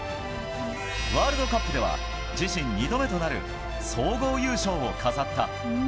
ワールドカップでは自身２度目となる総合優勝を飾った。